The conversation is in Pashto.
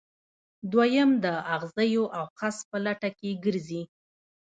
دویم د اغزیو او خس په لټه کې ګرځي.